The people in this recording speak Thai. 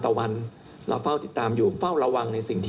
แต่พอเราไม่ต้องสงสังคม